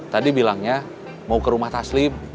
tadi bilangnya mau ke rumah taslim